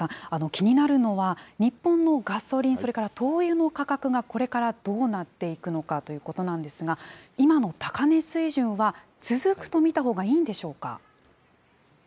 有馬さん、気になるのは日本のガソリン、それから灯油の価格がこれからどうなっていくのかということなんですが、今の高値水準は続くと見たほうがいいんでしょうか。